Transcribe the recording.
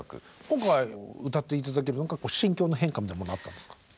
今回歌って頂けるのは心境の変化みたいなものはあったんですか？